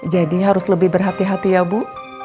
jadi harus lebih berhati hati ya bu